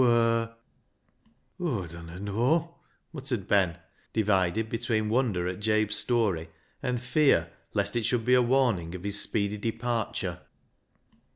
" 366 BECKSIDE LIGHTS " Aw dunno knaaw," muttered Ben, divided between wonder at Jabe's story and fear lest it should be a warning of his speedy departure.